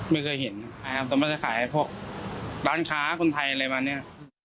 ไม่เคยเห็นไม่เคยขายพวกด้านค้าคุณไทยอะไรแบบนี้